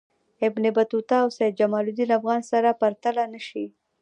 ابن بطوطه او سیدجماالدین افغان سره پرتله نه شي.